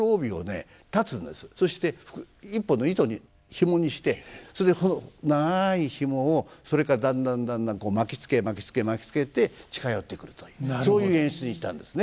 そして一本の糸にひもにしてそれでその長いひもをそれからだんだんだんだん巻きつけ巻きつけ巻きつけて近寄ってくるというそういう演出にしたんですね。